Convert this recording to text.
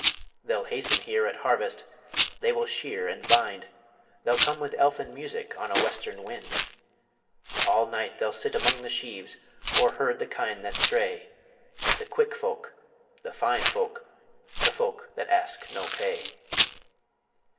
They'll hasten here at harvest, They will shear and bind; They'll come with elfin music On a western wind; All night they'll sit among the sheaves, Or herd the kine that stray The quick folk, the fine folk, the folk that ask no pay.